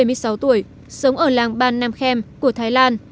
ông hintena bảy mươi sáu tuổi sống ở làng ban nam khem của thái lan